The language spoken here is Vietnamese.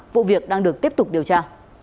vụ việc đang được tiếp tục điều tra